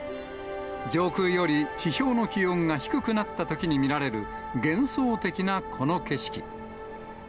上空より地表の気温が低くなったときに見られる、幻想的なこの景色。